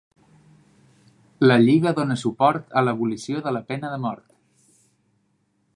La Lliga dona suport a l'abolició de la pena de mort.